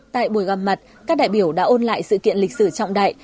tại buổi gặp mặt các đại biểu đã ôn lại sự kiện lịch sử trọng đại